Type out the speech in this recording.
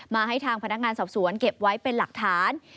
ให้ทางพนักงานสอบสวนเก็บไว้เป็นหลักฐาน